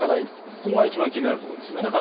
ここが一番気になるところですね。